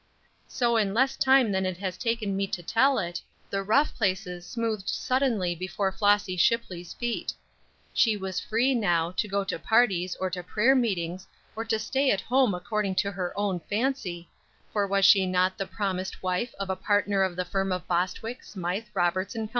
So in less time than it has taken me to tell it, the rough places smoothed suddenly before Flossy Shipley's feet. She was free now, to go to parties, or to prayer meetings, or to stay at home according to her own fancy, for was she not the promised wife of a partner of the firm of Bostwick, Smythe, Roberts & Co.?